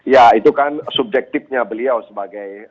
ya itu kan subjektifnya beliau sebagai